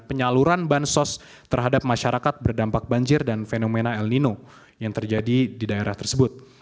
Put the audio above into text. penyaluran bansos terhadap masyarakat berdampak banjir dan fenomena el nino yang terjadi di daerah tersebut